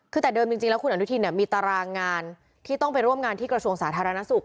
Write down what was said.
คือแต่เดิมจริงแล้วคุณอนุทินมีตารางงานที่ต้องไปร่วมงานที่กระทรวงสาธารณสุข